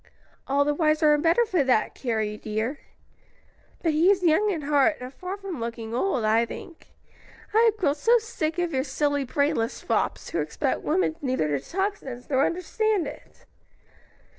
"All the wiser and better for that, Carrie, dear. But he is young in heart, and far from looking old, I think. I have grown so sick of your silly, brainless fops, who expect women neither to talk sense nor understand it."